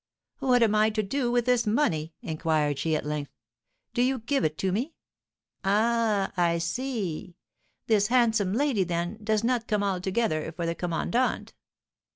"What am I to do with this money?" inquired she, at length; "do you give it to me? Ah, I see! This handsome lady, then, does not come altogether for the commandant?"